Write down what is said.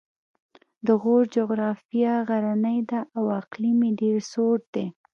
د غور جغرافیه غرنۍ ده او اقلیم یې ډېر سوړ دی